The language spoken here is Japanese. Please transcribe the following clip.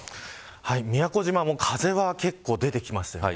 宮古島も風は結構、出てきましたよね。